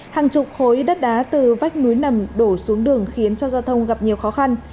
hàng chục khối đất đá từ vách núi nằm đổ xuống đường khiến cho giao thông gặp nhiều khó khăn